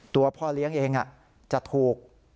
ตัวพ่อเลี้ยงเองจะถูก